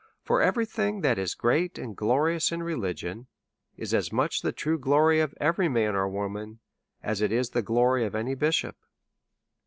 For every thing that is great and glorious in religion is as much the true glory of every man or wo man as it is the glory of any bishop.